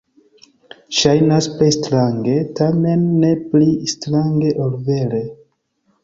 Ŝajnas plej strange, tamen ne pli strange ol vere.